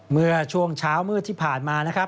เมื่อช่วงเช้ามืดที่ผ่านมานะครับ